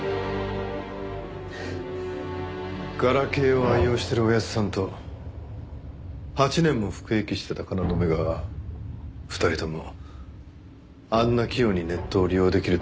ガラケーを愛用してる親父さんと８年も服役してた京が２人ともあんな器用にネットを利用できるとも思えない。